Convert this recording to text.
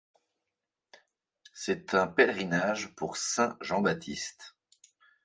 C'est un pèlerinage pour saint Jean-Baptiste.